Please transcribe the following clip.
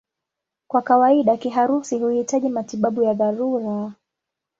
Kwa kawaida kiharusi huhitaji matibabu ya dharura.